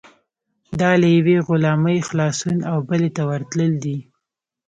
دا له یوې غلامۍ خلاصون او بلې ته ورتلل دي.